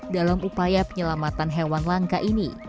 dalam upaya penyelamatan hewan langka ini